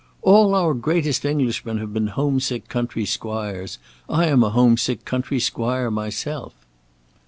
"All our greatest Englishmen have been home sick country squires. I am a home sick country squire myself."